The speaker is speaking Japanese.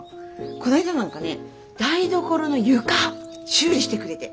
こないだなんかね台所の床修理してくれて。